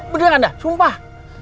beneran andah sumpah